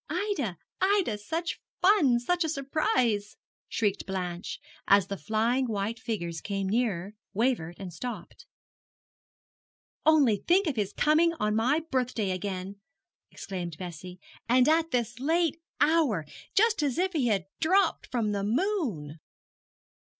'Ida, Ida, such fun, such a surprise!' shrieked Blanche, as the flying white figures came nearer, wavered, and stopped. 'Only think of his coming on my birthday again!' exclaimed Bessie, 'and at this late hour just as if he had dropped from the moon!'